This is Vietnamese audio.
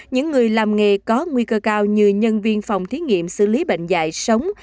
những người làm nghề có nguy cơ cao như nhân viên phòng thí nghiệm xử lý bệnh dạy sống